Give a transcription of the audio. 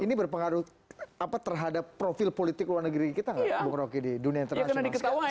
ini berpengaruh terhadap profil politik luar negeri kita nggak bung roky di dunia internasional